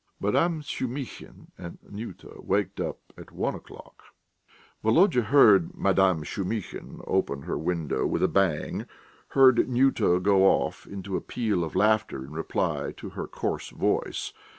Madame Shumihin and Nyuta waked up at one o'clock. Volodya heard Madame Shumihin open her window with a bang, heard Nyuta go off into a peal of laughter in reply to her coarse voice.